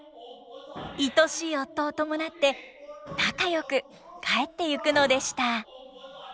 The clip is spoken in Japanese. いとしい夫を伴って仲よく帰っていくのでした。